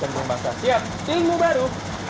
terebus bawang basah siap tinggu baru